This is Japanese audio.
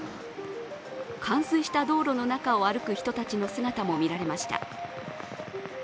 冠水した道路の中を歩く人たちの姿も見られました。